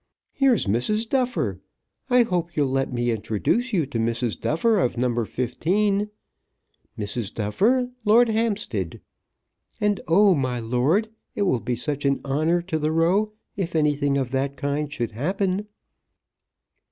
Here's Mrs. Duffer. I hope you'll let me introduce you to Mrs. Duffer of No. 15. Mrs. Duffer, Lord Hampstead. And oh, my lord, it will be such an honour to the Row if anything of that kind should happen."